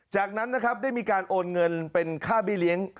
จากนั้นนะครับได้มีการโอนเงินเป็นค่าเบี้เลี้ยง